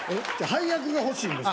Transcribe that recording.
配役が欲しいんです。